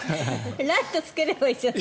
ライトつければいいじゃない。